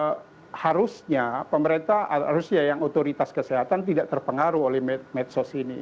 jadi harusnya pemerintah harusnya yang otoritas kesehatan tidak terpengaruh oleh medsos ini